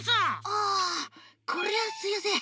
あこりゃすいやせん。